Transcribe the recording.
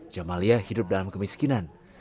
jamalia hidup dalam kemiskinan